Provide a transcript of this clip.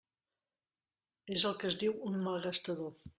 És el que es diu un malgastador.